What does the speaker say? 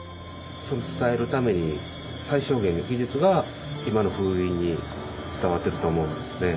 それを伝えるために最小限の技術が今の風鈴に伝わってると思うんですね。